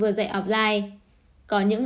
vừa dạy offline có những